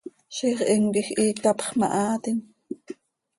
Ziix himquij hiic hapx mahaatim.